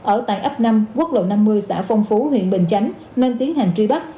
ở tại ấp năm quốc lộ năm mươi xã phong phú huyện bình chánh nên tiến hành truy bắt